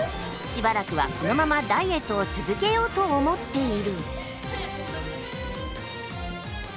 しばらくはこのままダイエットを続けようと思っている。